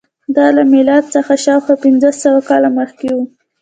دا له میلاد څخه شاوخوا پنځه سوه کاله مخکې وه